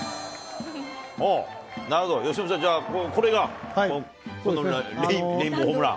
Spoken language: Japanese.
なるほど、由伸さん、じゃあ、これが、レインボーホームラン。